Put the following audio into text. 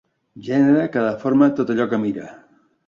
Gènere que deforma tot allò que mira.